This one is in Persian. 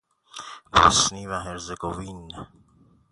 بوسنی و هرزگوین